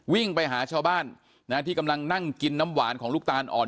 วิ่งไปหาชาวบ้านนะที่กำลังนั่งกินน้ำหวานของลูกตาลอ่อน